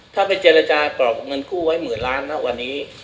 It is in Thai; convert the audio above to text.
ถ้าไปเจรจากรอบเงินกู้ไว้หมื่นล้านนะวันนี้